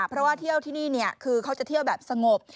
เพราะว่าเที่ยวที่นี่คือเขาจะเที่ยวแบบสงบ